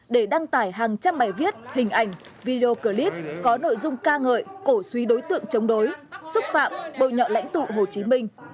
để đăng tải hàng trăm bài viết hình ảnh video clip có nội dung ca ngợi cổ suý đối tượng chống đối xúc phạm bồi nhọ lãnh tụ hồ chí minh